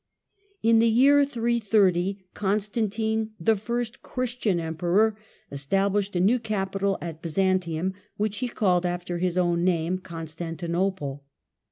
In the year 330 Constantine, the first Christian Emperor, established a new capital at Byzantium, which he called after his own name, Constantinople.